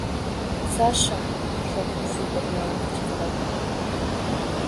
Саша!.. — шоктыш, ӱдыр мыйым кычкыра.